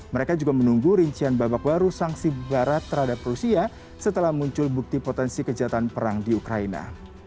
mereka juga menunggu rincian babak baru sanksi barat terhadap rusia setelah muncul bukti potensi kejahatan perang di ukraina